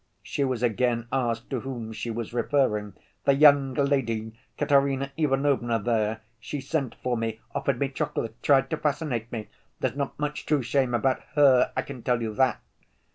She was again asked to whom she was referring. "The young lady, Katerina Ivanovna there. She sent for me, offered me chocolate, tried to fascinate me. There's not much true shame about her, I can tell you that...."